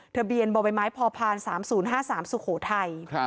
ทะเบียนบ่อใบไม้พอพาน๓๐๕๓สุโขทัย